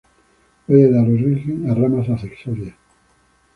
Puede dar origen a ramas accesorias.